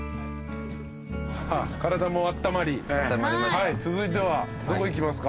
さあ体もあったまり続いてはどこ行きますか？